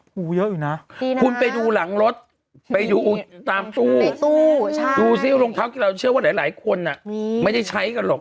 อ๋อเหรอเยอะอีกนะดีนะคุณไปดูหลังรถไปดูตามตู้ดูสิว่ารองเท้ากีฬาเชื่อว่าหลายคนน่ะไม่ได้ใช้กันหรอก